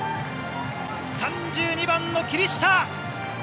３２番の霧下！